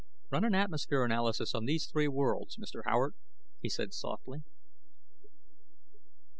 "Run an atmosphere analysis on those three worlds, Mr. Howard," he said softly.